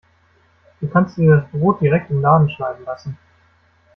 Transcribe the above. Du kannst dir das Brot direkt im Laden schneiden lassen.